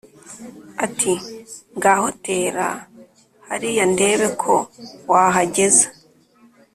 Ati «ngaho tera hariya ndebe ko wahageza»